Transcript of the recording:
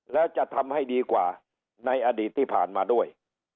แล้วจะทำให้ดีกว่าในอดีตที่ผ่านมาด้วย